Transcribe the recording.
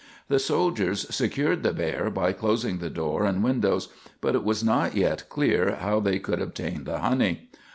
The soldiers secured the bear by closing the door and windows, but it was not yet clear how they could obtain the honey.